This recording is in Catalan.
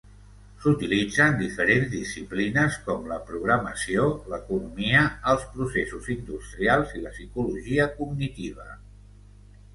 S'utilitza en diferents disciplines com la programació, l'economia, els processos industrials i la psicologia cognitiva.